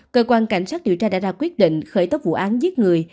cơ quan cảnh sát điều tra đã ra quyết định khởi tố vụ án giết người